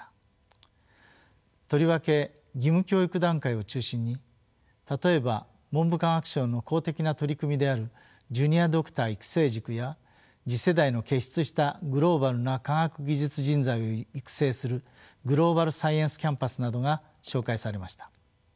とりわけ義務教育段階を中心に例えば文部科学省の公的な取り組みであるジュニアドクター育成塾や次世代の傑出したグローバルな科学技術人材を育成するグローバルサイエンスキャンパスなどが紹介されました。